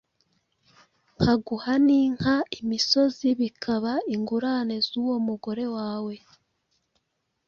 nkaguha n'inka n'imisozi, bikaba ingurane z'uwo mugore wawe